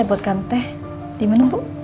buatkan teh diminum bu